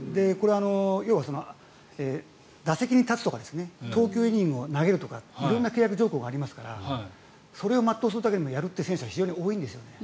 要は打席に立つとか投球イニングを投げるとか色んな契約条項がありますからそれを全うするためにやろうとする選手は多いんです。